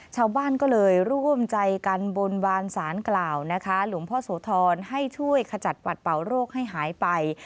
ชาวบ้านก็เลยร่วมใจกันบนบานสารกล่าวนะคะหลวงพ่อโสธรให้ช่วยขจัดปัดเป่าโรคให้หายไป